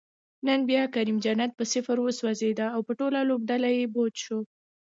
نن بیا کریم جنت په صفر وسوځید، او په ټوله لوبډله بوج شو